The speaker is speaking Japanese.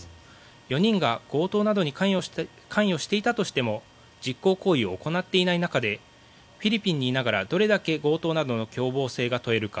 ４人が強盗などに関与していたとしても実行行為を行っていない中でフィリピンにいながらどれだけ強盗などの共謀性が問えるか。